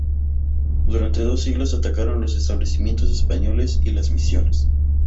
Durante dos siglos atacaron los establecimientos españoles y las misiones.